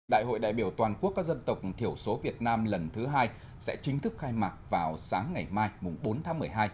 đại hội đại biểu toàn quốc các dân tộc thiểu số việt nam lần thứ hai sẽ chính thức khai mạc vào sáng ngày mai bốn tháng một mươi hai